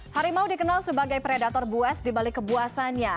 harimau dikenal sebagai predator buas dibalik kepuasannya